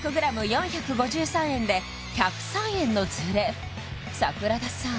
４５３円で１０３円のズレ桜田さん